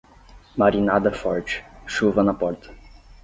Marinada forte, chuva na porta.